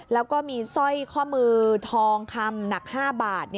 แล้วก็มีสร้อยข้อมือทองคำหนัก๕บาท